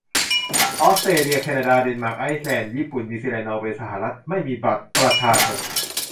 ออสเตรเลีย แคนาดา เดนมาร์ก ไอร์แลนด์ ญี่ปุ่น นิวซีแลนด์ นอร์เวย์ สหรัฐ ไม่มีบัตรประชาชน